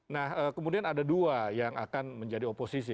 nah kemudian ada dua yang akan menjadi oposisi